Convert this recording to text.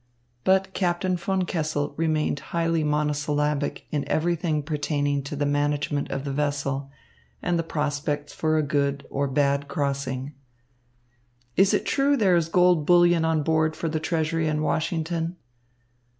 But Captain von Kessel remained highly monosyllabic in everything pertaining to the management of the vessel and the prospects for a good or bad crossing. "Is it true that there is gold bullion on board for the treasury in Washington?"